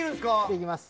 できます。